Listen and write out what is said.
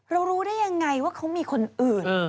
รู้ได้ยังไงว่าเขามีคนอื่น